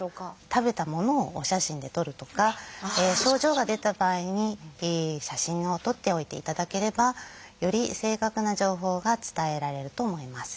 食べたものをお写真で撮るとか症状が出た場合に写真を撮っておいていただければより正確な情報が伝えられると思います。